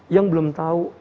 yang belum tahu